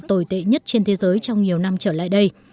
tồi tệ nhất trên thế giới trong nhiều năm trở lại đây